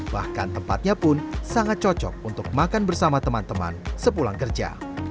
bahkan tempatnya pun sangat cocok untuk makan bersama teman teman sepulang kerja